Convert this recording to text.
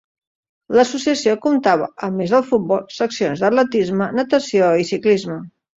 L'Associació comptava, a més del futbol, seccions d'atletisme, natació i ciclisme.